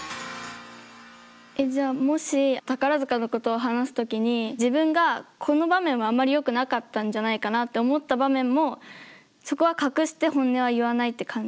えっじゃあもし宝塚のことを話す時に自分がこの場面はあんまりよくなかったんじゃないかなって思った場面もそこは隠して本音は言わないって感じ？